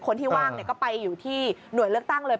คนที่ว่างก็ไปอยู่ที่หน่วยเลือกตั้งเลย